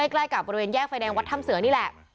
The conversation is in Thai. ใกล้กับบริเวณแยกไฟแดงวัดถ้ำเสือนี่แหละ